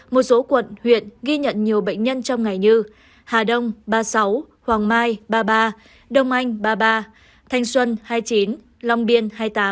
một số quận huyện ghi nhận nhiều bệnh nhân trong ngày như hà đông ba mươi sáu hoàng mai ba mươi ba đông anh ba mươi ba thanh xuân hai mươi chín long biên hai mươi tám